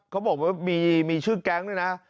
เขาบอกว่ามีชื่อแก๊งด้วยนะ